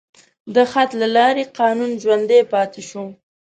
د خط له لارې قانون ژوندی پاتې شو.